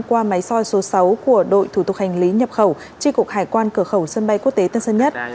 qua máy soi số sáu của đội thủ tục hành lý nhập khẩu tri cục hải quan cửa khẩu sân bay quốc tế tân sơn nhất